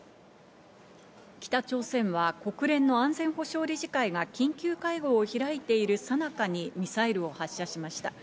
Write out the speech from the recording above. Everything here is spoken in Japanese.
北朝鮮は国連の安全保障理事会が緊急会合を開いている最中にミサイルを発射しました。